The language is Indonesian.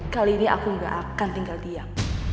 kali ini aku gak akan tinggal diam